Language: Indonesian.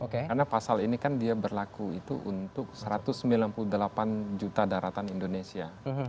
karena pasal ini kan dia berlaku itu untuk satu ratus sembilan puluh delapan juta daratan indonesia